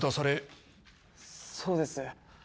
そうです。